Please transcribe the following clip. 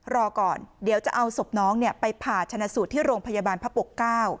รอก่อนเดี๋ยวจะเอาศพน้องไปผ่าชนะสูตรที่โรงพยาบาลพระปกเก้า